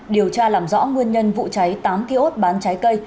điều tra làm rõ nguyên nhân vụ cháy tám ký ốt bán trái cây